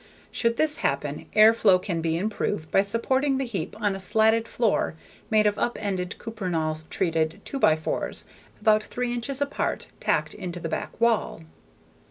Should this happen air flow can be improved by supporting the heap on a slatted floor made of up ended Cuprinol treated 2 x 4's about three inches apart tacked into the back wall.